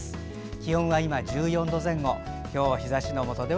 気温は１４度前後。